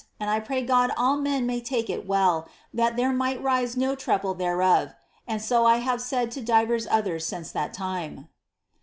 and I pnr God all men may take it well, that there might rise no trouble thereof;' v.d so have I said to divers others since that time."